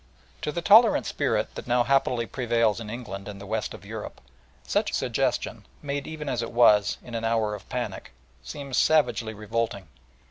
To the tolerant spirit that now happily prevails in England and the West of Europe, such a suggestion, made, even as it was, in an hour of panic, seems savagely revolting.